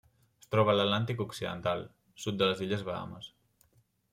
Es troba a l'Atlàntic occidental: sud de les Illes Bahames.